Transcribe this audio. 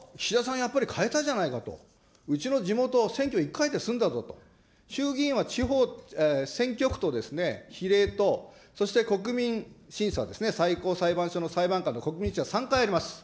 やっぱり変えたじゃないかと、うちの地元、選挙１回で済んだぞと、衆議院は選挙区と比例と、そして国民審査ですね、最高裁判所の裁判官の国民審査、３回あります。